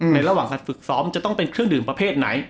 ระหว่างการฝึกซ้อมจะต้องเป็นเครื่องดื่มประเภทไหน